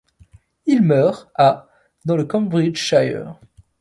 Il meurt à dans le Cambridgeshire.